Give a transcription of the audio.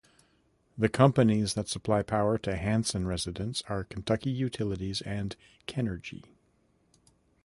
The companies that supply power to Hanson residents are Kentucky Utilities and Kenergy.